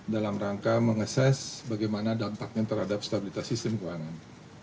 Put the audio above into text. dalam rangka mengases bagaimana dampaknya terhadap stabilitas sistem keuangan